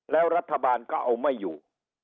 แล้วรัฐบาลก็เอาไม่อยู่